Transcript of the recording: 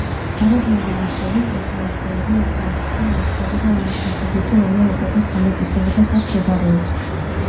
გარეგნული ნიშნებით ნაქალაქარები ერთმანეთისაგან განსხვავდება იმის მიხედვით, თუ რომელ ეპოქას განეკუთვნება და სად მდებარეობს.